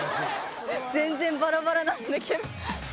全然バラバラなんだけど。